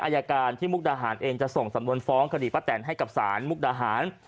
อายการที่มุกดาหารเองจะส่งสำนวนฟ้องคดีป้าแตนให้กับศาลมุกดาหาร